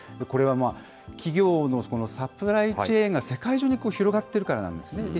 これは企業のサプライチェーンが世界中に広がってるからなんですね。